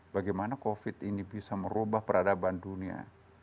bagaimana covid ini bisa merubah peradaban dunia